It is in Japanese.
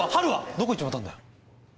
どこ行っちまったんだよ